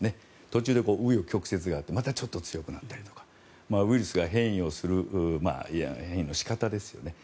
途中で紆余曲折があってまたちょっと強くなったりとかウイルスが変異をする変異の仕方ですよね。